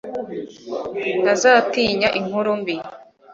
Ntazatinya inkuru mbi